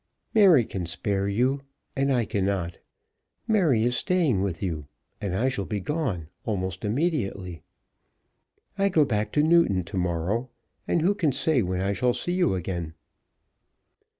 "Mary can spare you, and I cannot. Mary is staying with you, and I shall be gone, almost immediately. I go back to Newton to morrow, and who can say when I shall see you again?"